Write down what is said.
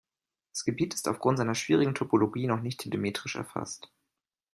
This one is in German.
Das Gebiet ist aufgrund seiner schwierigen Topologie noch nicht telemetrisch erfasst.